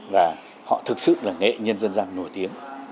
và họ thực sự là nghệ nhân dân gian nổi tiếng